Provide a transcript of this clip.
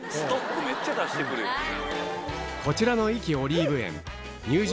こちらの壱岐オリーブ園